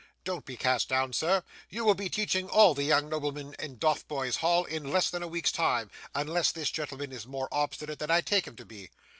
Don't be cast down, sir; you will be teaching all the young noblemen in Dotheboys Hall in less than a week's time, unless this gentleman is more obstinate than I take him to be.